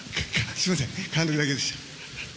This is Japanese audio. すみません、監督だけでした。